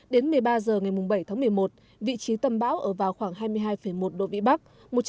đến một mươi ba h ngày bảy tháng một mươi một vị trí tâm bão ở vào khoảng hai mươi hai một độ vĩ bắc